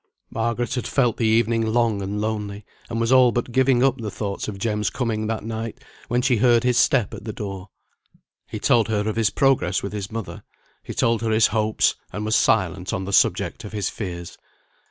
Margaret had felt the evening long and lonely; and was all but giving up the thoughts of Jem's coming that night, when she heard his step at the door. He told her of his progress with his mother; he told her his hopes, and was silent on the subject of his fears.